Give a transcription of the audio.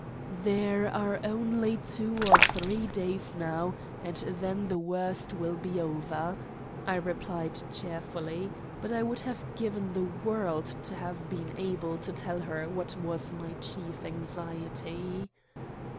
"There are only two or three days now, and then the worst will be over," I replied cheerfully; but I would have given the world to have been able to tell her what was my chief anxiety.